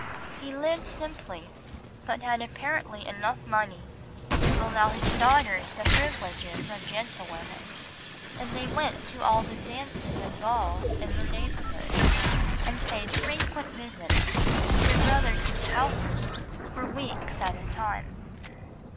He lived simply, but had apparently enough money to allow his daughters the privileges of gentlewomen, and they went to all the dances and balls in the neighbourhood, and paid frequent visits to their brothers' houses for weeks at a time.